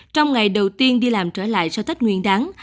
trong ngày đầu tiên đi làm trở lại sau tết nguyên đáng